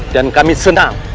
dan kami senang